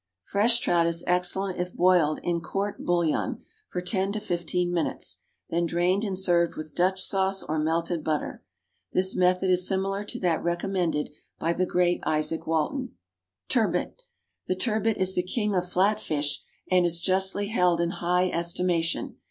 = Fresh trout is excellent if boiled in "court bouillon" for ten to fifteen minutes, then drained and served with Dutch sauce or melted butter. This method is similar to that recommended by the great Izaak Walton. =Turbot.= The turbot is the king of flat fish, and is justly held in high estimation.